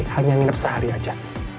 hanya tidur sehari aja